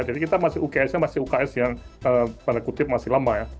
jadi kita masih uks nya masih uks yang pada kutip masih lama ya